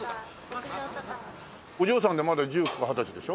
お嬢さんまだ１９か二十歳でしょ？